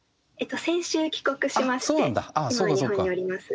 先週帰国しまして今は日本におります。